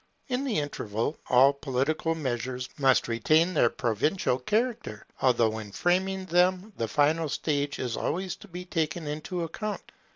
In the interval all political measures must retain their provisional character, although in framing them the final state is always to be taken into account.